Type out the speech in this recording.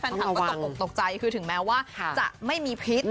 แฟนคลับก็ตกออกตกใจคือถึงแม้ว่าจะไม่มีพิษ